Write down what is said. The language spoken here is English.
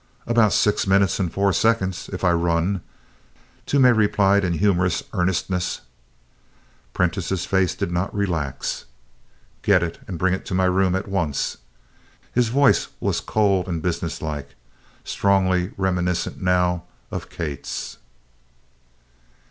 "About six minutes and four seconds, if I run," Toomey replied in humorous earnestness. Prentiss's face did not relax. "Get it and bring it to my room at once." His voice was cold and businesslike, strongly reminiscent now of Kate's.